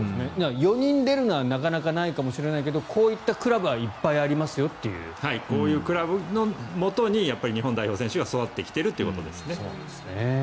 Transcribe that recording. ４人出るのはなかなかないかもしれないけどこういったクラブはこういうクラブのもとに日本代表が育ってきているということですね。